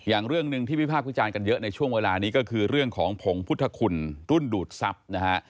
อย่างเรื่องหนึ่งที่วิพากษ์วิจารณ์กันเยอะในช่วงเวลานี้ก็คือเรื่องของผงพุทธคุณรุ่นดูดทรัพย์นะฮะ